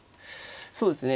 そうですね